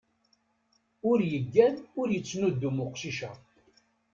Ur yeggan ur yettnudum uqcic-a.